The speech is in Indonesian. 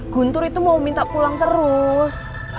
guntur itu mau minta pulang terus